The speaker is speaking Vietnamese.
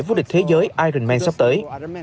vua địch thế giới ironman sắp tới